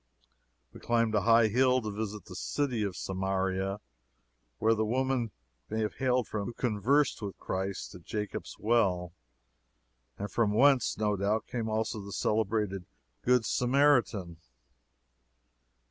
We climbed a high hill to visit the city of Samaria, where the woman may have hailed from who conversed with Christ at Jacob's Well, and from whence, no doubt, came also the celebrated Good Samaritan.